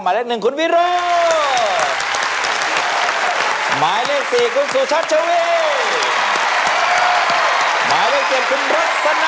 หมายเลข๑คุณวิโรหมายเลข๔คุณสุชัชวิหมายเลข๗คุณรักษณะ